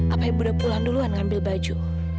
apaya budak puluhan duluan ngambil baju